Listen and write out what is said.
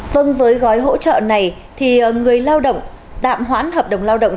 vâng với gói hỗ trợ này thì người lao động tạm hoãn hợp đồng lao động